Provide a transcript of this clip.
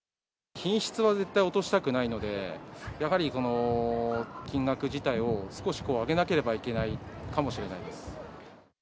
品質は絶対落としたくないので、やはり金額自体を少し上げなければいけないかもしれないです。